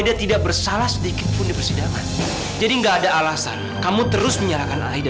kami akan usut tuntas siapa pelaku sebenarnya